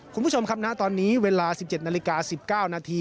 คุณผู้ชมครับณตอนนี้เวลา๑๗นาฬิกา๑๙นาที